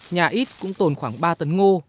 nhà ít cũng tồn khoảng ba tấn ngô